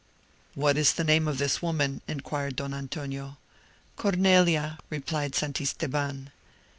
"What is the name of this woman?" inquired Don Antonio. "Cornelia," replied Santisteban.